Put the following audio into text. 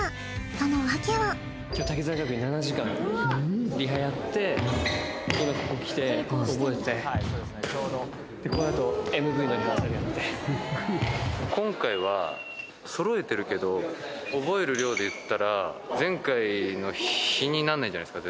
そのワケは今日滝沢歌舞伎７時間リハやって今ここ来て覚えてでこのあとＭＶのリハーサルやって覚える量でいったら前回の比になんないんじゃないですか？